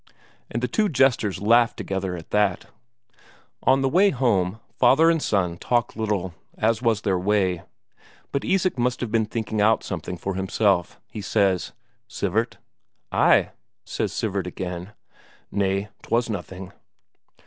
And the two jesters laughed together at that. On the way home, father and son talk little, as was their way; but Isak must have been thinking out something for himself; he says: "Sivert?" "Ay?" says Sivert again. "Nay, 'twas nothing."